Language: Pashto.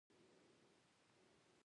زينداور د پښتو ادب پلازمېنه ده.